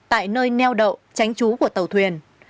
tại nơi neo đậu tránh trú của tàu thuyền